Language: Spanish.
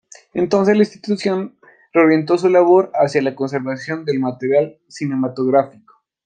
Entonces, la institución reorientó su labor hacia la conservación del material cinematográfico.